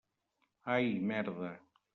Ai, merda.